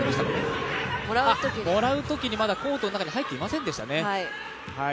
もらうときにまだコートの中に入ってませんでしたね。